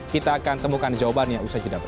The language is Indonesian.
kita akan temukan jawabannya usai cedabri